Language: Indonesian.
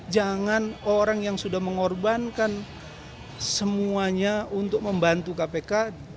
jangan orang yang sudah mengorbankan semuanya untuk membantu kpk